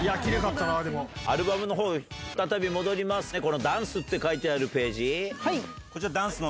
アルバムの方再び戻りますね「ＤＡＮＣＥ」って書いてるページ。